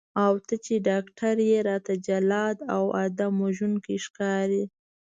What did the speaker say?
او ته چې ډاکټر یې راته جلاد او آدم وژونکی ښکارې.